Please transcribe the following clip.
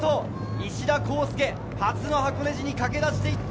石田洸介、初の箱根路に駆け出していった。